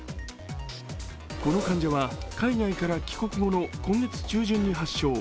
この患者は、海外から帰国後の今月中旬に発症。